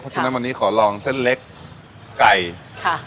ฉะนั้นวันนี้ขอลองเส้นเล็กไก่ค่ะ